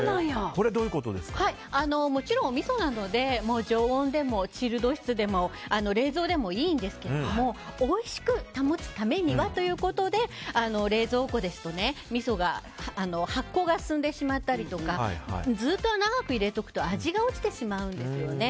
もちろん、おみそなので常温でもチルド室でも冷蔵でもいいんですけどもおいしく保つためにはということで冷蔵庫ですと、みそが発酵が進んでしまったりとかずっと長く入れておくと味が落ちてしまうんですね。